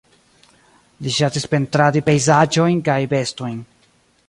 Li ŝatis pentradi pejzaĝojn kaj bestojn.